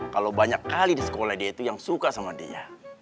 kalau banyak kali di sekolah dia itu yang suka sama dia